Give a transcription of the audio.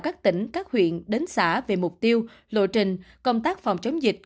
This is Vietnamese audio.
các tỉnh các huyện đến xã về mục tiêu lộ trình công tác phòng chống dịch